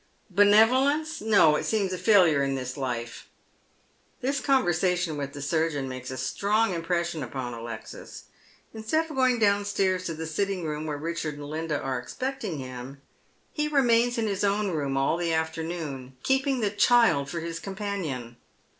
" Benevolence ? No, it seems a failure in this life." This conversation with the siu geon makes a strong impression upon Alexis. Instead of going downstairs to the sitting room wliere Richard and Linda are expecting him, he remains in his own room all the afternoon, keeping the child for his companion.